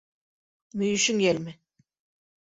Мөйөшөң йәлме?